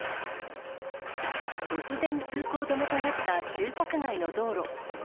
突然、通行止めとなった住宅街の道路。